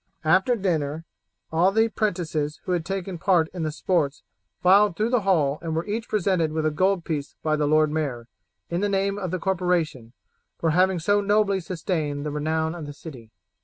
After dinner all the 'prentices who had taken part in the sports filed through the hall and were each presented with a gold piece by the lord mayor, in the name of the corporation, for having so nobly sustained the renown of the city.